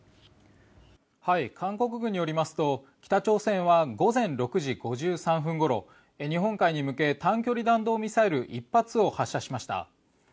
韓国軍によりますと北朝鮮は午前６時５３分ごろ日本海に向け短距離弾道ミサイル１発を発射しました。